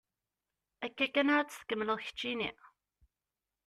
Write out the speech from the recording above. Akka kan ara tt-tkemmleḍ keččini?